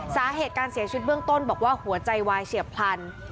สาเหตุการเสียชีวิตเบื้องต้นบอกว่าหัวใจวายเฉียบพลัน